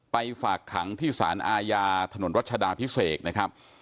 ฝากขังที่สารอาญาถนนรัชดาพิเศษนะครับ